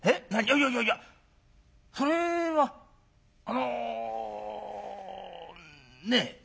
「いやいやいやそれはあのねっ」。